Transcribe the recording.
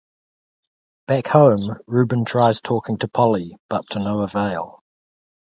Back home, Reuben tries talking to Polly, but to no avail.